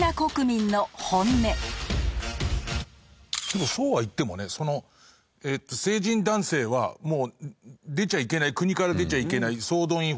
でもそうはいってもねその成人男性はもう出ちゃいけない国から出ちゃいけない総動員法じゃないですか。